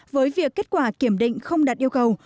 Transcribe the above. với việc kết quả kiểm định không đạt yêu cầu